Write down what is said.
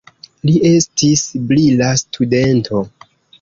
Li estis brila studento.